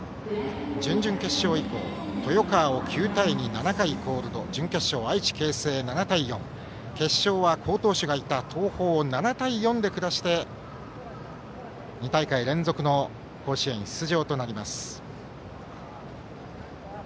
準々決勝以降、豊川を９対２７回コールド準決勝、愛知啓成を７対４決勝は好投手がいた東邦を７対４で下して２大会連続の甲子園出場となります。